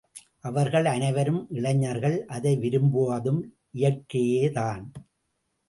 அவர்கள் அனைவரும் இளைஞர்கள், அதை விரும்புவதும் இயற்கையேதான்.